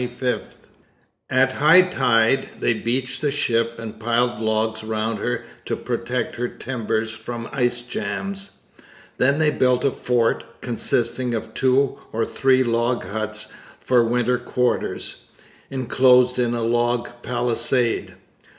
At high tide they beached the ship and piled logs round her to protect her timbers from ice jams. Then they built a fort, consisting of two or three log huts for winter quarters, enclosed in a log palisade.